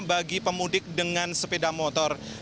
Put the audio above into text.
bagi pemudik dengan sepeda motor